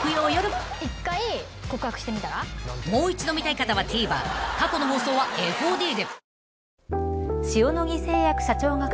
［もう一度見たい方はＴＶｅｒ過去の放送はＦＯＤで］